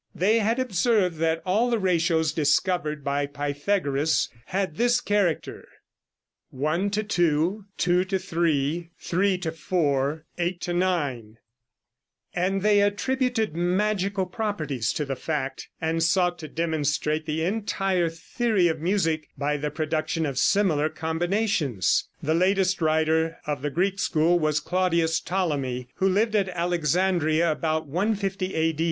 They had observed that all the ratios discovered by Pythagoras had this character, 1/2, 2/3, 3/4, 8/9, and they attributed magical properties to the fact, and sought to demonstrate the entire theory of music by the production of similar combinations. The latest writer of the Greek school was Claudius Ptolemy, who lived at Alexandria about 150 A.